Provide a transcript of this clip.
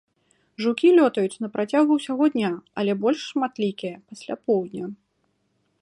Жукі лётаюць на працягу ўсяго дня, але больш шматлікія пасля поўдня.